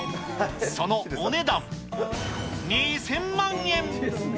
そのお値段、２０００万円。